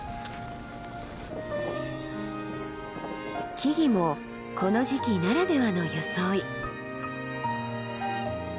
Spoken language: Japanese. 木々もこの時期ならではの装い。